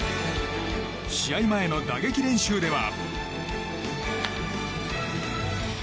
試合前の打撃練習では。